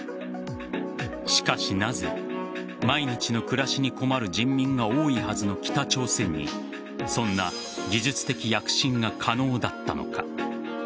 しかし、なぜ毎日の暮らしに困る人民が多いはずの北朝鮮にそんな技術的躍進が可能だったのか。